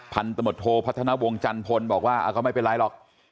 พันธมตโทพัฒนาวงศันพลบอกว่าก็ไม่เป็นไรหรอก